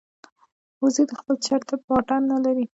وزې د خپل چرته واټن نه لري